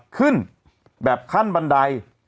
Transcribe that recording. ขึ้นแบบขั้นบันได